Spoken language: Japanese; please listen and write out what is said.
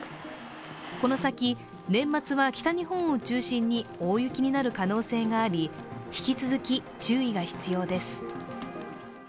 この先、年末は北日本を中心に大雪になる可能性があり引き続き注意が必要です。